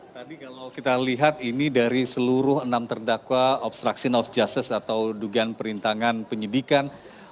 tadi kalau kita lihat ini dari seluruh enam terdakwa obstruction of justice atau dugaan perintangan penyidikan